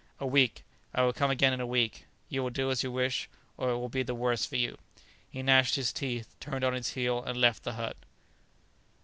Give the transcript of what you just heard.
"A week! I will come again in a week; you will do as I wish, or it will be the worse for you." He gnashed his teeth, turned on his heel, and left the hut.